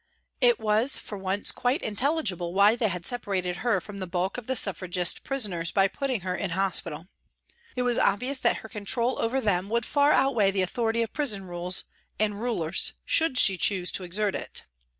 It was, for once, quite intelligible why they had sepa rated her from the bulk of the Suffragist prisoners by putting her in hospital. It was obvious that her control over them would far outweigh the authority of prison rules and rulers should she choose to exert it.